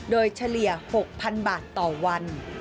โดยเฉลี่ย๖๐๐๐บาทต่อวัน